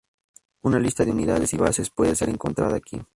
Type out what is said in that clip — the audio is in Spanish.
Una lista de unidades y bases puede ser encontrada aquí.